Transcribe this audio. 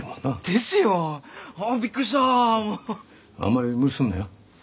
あんまり無理すんなよ。